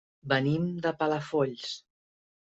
Venim de Palafolls.